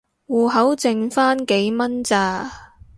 戶口剩番幾蚊咋